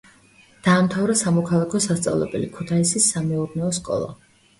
დაამთავრა სამოქალაქო სასწავლებელი, ქუთაისის სამეურნეო სკოლა.